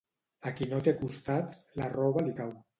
A qui no té costats, la roba li cau.